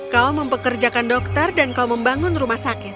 kau memperkerjakan dokter dan membangun rumah sakit